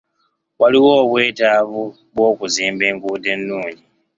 Waliwo obwetavu bw'okuzimba enguuddo ennungi.